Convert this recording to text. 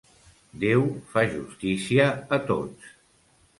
Déu fa justícia a tots.